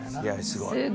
すごい！